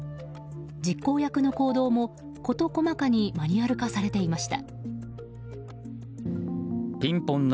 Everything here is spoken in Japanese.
実行役の行動も事細かにマニュアル化されていました。